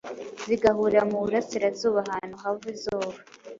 zigahurira mu Burasirazuba ahantu hava izuba,